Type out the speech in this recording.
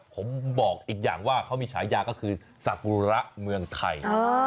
ผมบอกอีกอย่างว่าเขามีฉายาก็คือสักบุระเมืองไทย